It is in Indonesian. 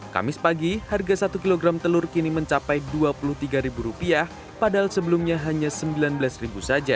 kamis pagi harga satu kg telur kini mencapai rp dua puluh tiga padahal sebelumnya hanya rp sembilan belas saja